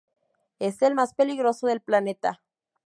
Es el más peligroso del planeta.